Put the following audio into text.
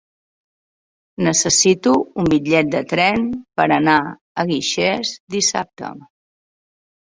Necessito un bitllet de tren per anar a Guixers dissabte.